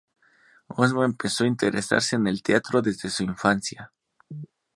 Osma empezó a interesarse en el teatro desde su infancia.